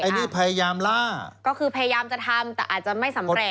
อันนี้พยายามล่าก็คือพยายามจะทำแต่อาจจะไม่สำเร็จ